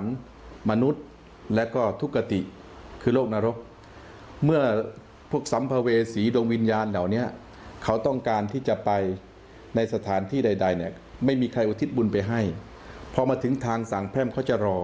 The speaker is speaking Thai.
คุณผู้ชมลองฟังค่ะ